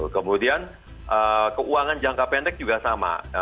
kemudian keuangan jangka pendek juga sama